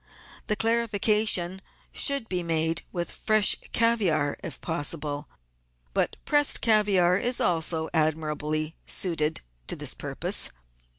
The clarification should be made with fresh caviare if pos sible, but pressed caviare is also admirably suited to this purpose.